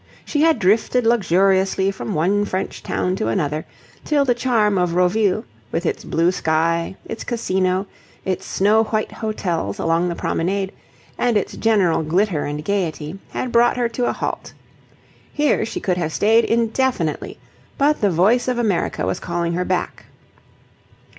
She had drifted luxuriously from one French town to another, till the charm of Roville, with its blue sky, its Casino, its snow white hotels along the Promenade, and its general glitter and gaiety, had brought her to a halt. Here she could have stayed indefinitely, but the voice of America was calling her back.